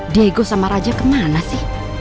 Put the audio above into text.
diego sama raja kemana sih